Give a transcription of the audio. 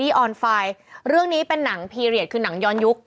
เป็นการกระตุ้นการไหลเวียนของเลือด